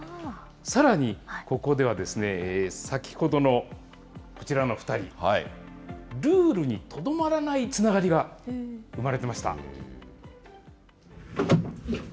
さらに、ここでは先ほどのこちらの２人、ルールにとどまらないつながりが生まれてました。